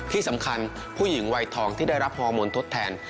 ที่สำคัญผู้หญิงวัยทองที่ได้รับฮอร์โมนทดแทน